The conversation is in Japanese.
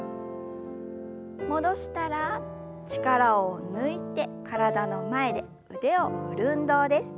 戻したら力を抜いて体の前で腕を振る運動です。